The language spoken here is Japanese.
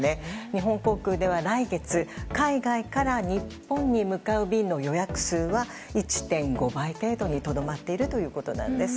日本航空では、来月、海外から日本に向かう便の予約数は１．５倍程度にとどまっているということなんです。